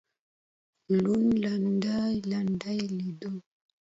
لوند لنده لندې لندو